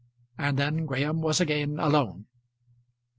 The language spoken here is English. And then Graham was again alone.